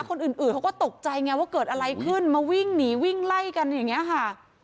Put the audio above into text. คนอื่นเขาก็ตกใจไงว่าเกิดอะไรขึ้นมาวิ่งหนีวิ่งไล่กันอย่างนี้ค่ะ